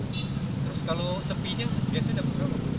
terus kalau sepi nya biasanya berapa